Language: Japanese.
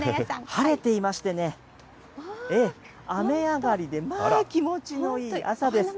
晴れていましてね、雨上がりで、まあ気持ちのいい朝です。